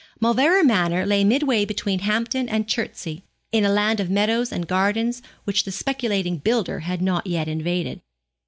Mauleverer Manor lay midway between Hampton and Chertsey, in a land of meadows and gardens which the speculating builder had not yet invaded.